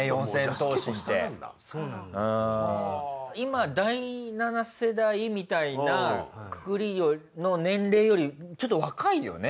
今第７世代みたいなくくりの年齢よりちょっと若いよね？